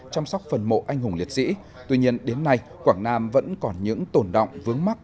chăm sóc phần mộ anh hùng liệt sĩ tuy nhiên đến nay quảng nam vẫn còn những tồn động vướng mắt